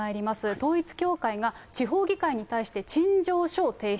統一教会が、地方議会に対して陳情書を提出。